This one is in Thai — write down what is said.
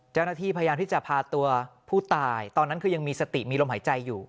เจ้าหน้าที่พยายามที่จะพาตัวผู้ตายตอนนั้นคือยังมีสติมีลมหายใจอยู่